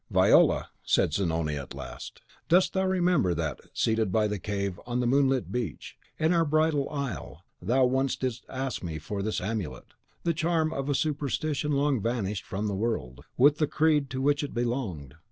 "Viola," said Zanoni, at last, "dost thou remember that, seated by the cave on the moonlit beach, in our bridal isle, thou once didst ask me for this amulet? the charm of a superstition long vanished from the world, with the creed to which it belonged.